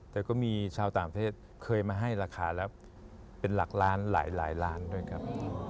แต่ก็มีชาวต่างประเทศเคยมาให้ราคาแล้วเป็นหลักล้านหลายล้านด้วยครับ